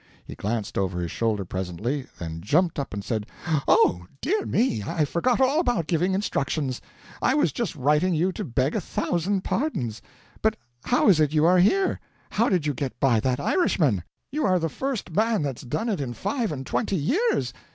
He glanced over his shoulder presently, then jumped up and said "Oh, dear me, I forgot all about giving instructions. I was just writing you to beg a thousand pardons. But how is it you are here? How did you get by that Irishman? You are the first man that's done it in five and twenty years.